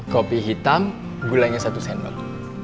kopi hitam gulanya satu sendok